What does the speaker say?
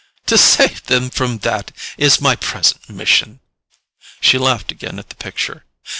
To save them from that is my present mission." She laughed again at the picture.